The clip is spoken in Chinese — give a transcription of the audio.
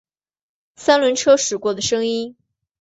三轮车驶过的声音